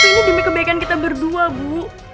ini demi kebaikan kita berdua bu